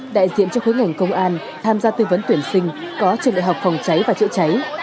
đại diện cho khối ngành công an tham gia tư vấn tuyển sinh có trường đại học phòng cháy và chữa cháy